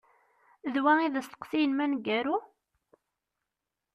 D wa i d asteqsi-inem aneggaru?